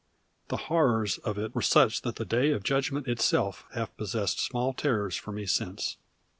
The horrors of it were such that the Day of Judgment itself have possessed small terrors for me since.